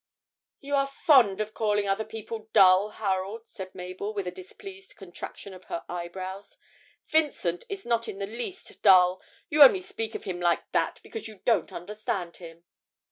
'You are very fond of calling other people dull, Harold,' said Mabel, with a displeased contraction of her eyebrows. 'Vincent is not in the least dull: you only speak of him like that because you don't understand him.'